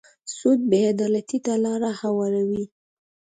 سود بې عدالتۍ ته لاره هواروي.